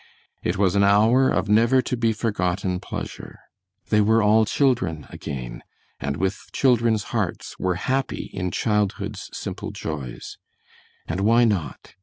It was an hour of never to be forgotten pleasure. They were all children again, and with children's hearts were happy in childhood's simple joys. And why not?